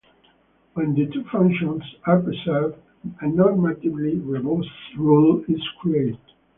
When the two functions are preserved, a normatively robust rule is created.